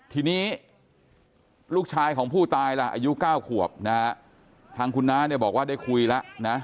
ทีนี้ลูกชายของผู้ตายล่ะอายุ๙ขวบนะฮะทางคุณน้าเนี่ยบอกว่าได้คุยแล้วนะ